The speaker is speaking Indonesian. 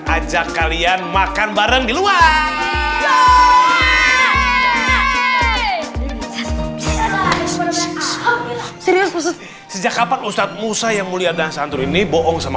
ajak kalian makan bareng di luar serius sejak kapan ustadz musa yang mulia dan santri ini bohong sama